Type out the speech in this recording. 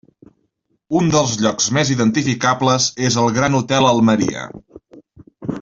Un dels llocs més identificables és el Gran Hotel Almeria.